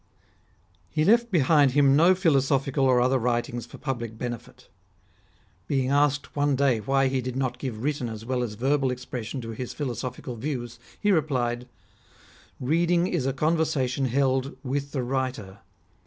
He left behind him no philosophical or other writings for public benefit. Being asked one day why he did not give written as well as verbal expression to his philo sophical views, he replied :" Keading is a conversation held with the writer.